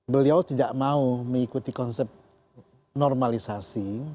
beliau tidak mau mengikuti konsep normalisasi